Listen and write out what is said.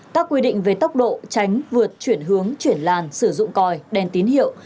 các quy định về tốc độ tránh vượt chuyển hướng chuyển làn sử dụng còi đèn tín hiệu